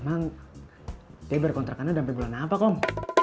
emang dia baru kontrakan aja udah sampai bulan apa kong